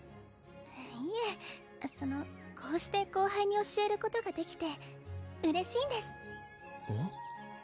いえそのこうして後輩に教えることができて嬉しいんですうん？